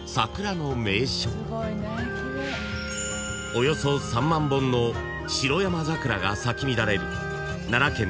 ［およそ３万本のシロヤマザクラが咲き乱れる］